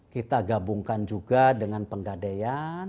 kita gabungkan juga dengan penggadean